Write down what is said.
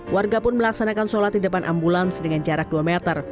warga pun melaksanakan sholat di depan ambulans dengan jarak dua meter